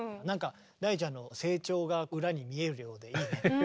大ちゃんの成長が裏に見えるようでいいね。